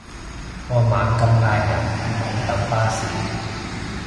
我猛咁嗌人唔好等巴士